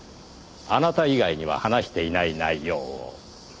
あなた以外には話していない内容を。